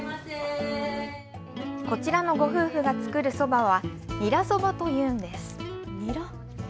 こちらのご夫婦が作るそばは、ニラそばというんです。